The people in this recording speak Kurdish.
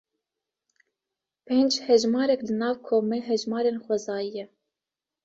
Pênc hejmarek li nav komê hejmarên xwezayî ye.